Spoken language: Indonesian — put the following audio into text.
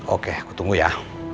oke aku tunggu ya